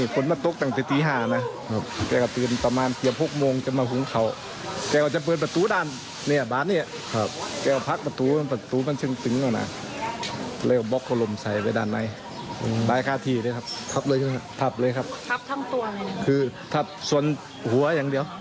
ครับคือเกิดจากบ้านมันสุดเลย